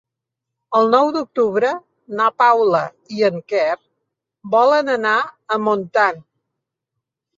El nou d'octubre na Paula i en Quer volen anar a Montant.